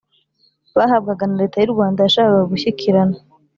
bahabwaga na leta y'u rwanda yashakaga gushyikirana